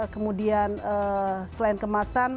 kemudian selain kemasan